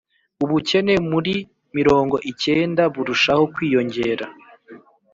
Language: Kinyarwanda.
ubukene muri mirongo icyenda burushaho kwiyongera